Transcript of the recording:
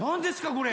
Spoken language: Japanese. これ。